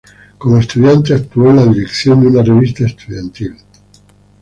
Como estudiante actuó en la dirección de una revista estudiantil.